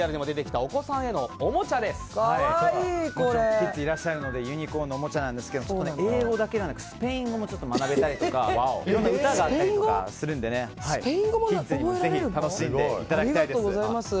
キッズがいらっしゃるのでユニコーンのおもちゃなんですが英語だけじゃなくてスペイン語も学べたりとかいろんな歌があったりするのでキッズにぜひ楽しんでいただければと思います。